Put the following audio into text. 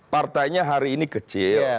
partainya hari ini kecil